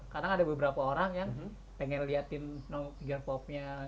kadang ada beberapa orang yang pengen liatin finger pop nya